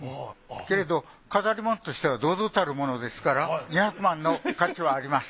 けれど飾りもんとしては堂々たるものですから２００万の価値はあります。